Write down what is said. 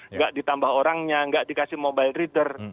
nggak ditambah orangnya nggak dikasih mobile reader